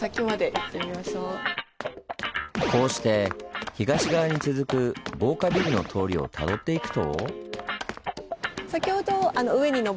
こうして東側に続く防火ビルの通りをたどっていくと。